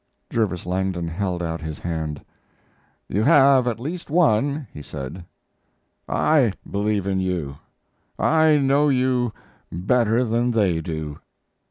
Jervis Langdon held out his hand. "You have at least one," he said. "I believe in you. I know you better than they do."